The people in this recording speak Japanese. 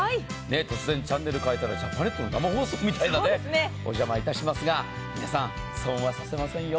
突然、チャンネルを変えたらジャパネットの生放送みたいな、お邪魔いたしますが皆さん、そうはさせませんよ。